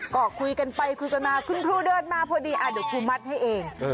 ก็คุยกันไปคุยกันมาคุณครูเดินมาพอดีเดี๋ยวครูมัดให้เอง